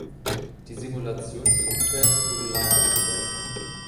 Die Simulationssoftware ist modular aufgebaut.